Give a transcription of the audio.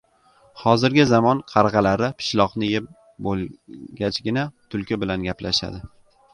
Hozirgi zamon qarg‘alari pishloqni yeb bo‘lgachgina tulki bilan gaplashadi.